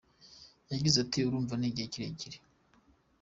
Yagize ati "Urumva ni igihe kirekire.